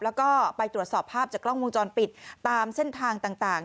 แล้วก็ไปตรวจสอบภาพจากกล้องวงจรปิดตามเส้นทางต่าง